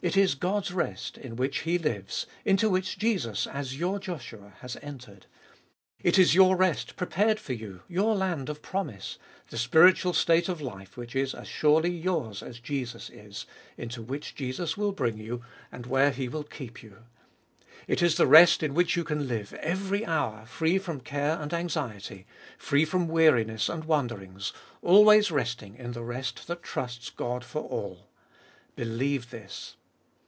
It is God's rest, in which He lives ; into which Jesus, as your Joshua, has entered. It is your rest, prepared for you ; your land of promise ; the spiritual state of life which is as surely yours as Jesus is; into which fjolfest ot BH 157 Jesus will bring you, and where He will keep you. It is the rest in which you can live every hour, free from care and anxiety, free from weariness and wanderings, always resting in the rest that trusts God for all. Believe this.